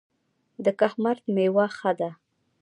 د کهمرد میوه ښه ده